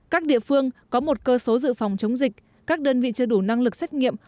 các địa phương có một cơ số dự phòng chống dịch các đơn vị chưa đủ năng lực xét nghiệm